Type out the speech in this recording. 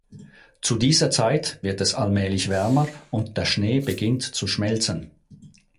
Zu dieser Zeit wird es allmählich wärmer und der Schnee beginnt zu schmelzen.